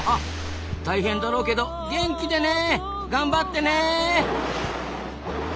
大変だろうけど元気でね！頑張ってね！